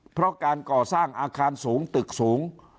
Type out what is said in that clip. เพราะการก่อสร้างอาคารสูงตึกสูง